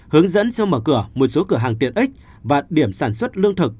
hướng dẫn sau mở cửa một số cửa hàng tiện ích và điểm sản xuất lương thực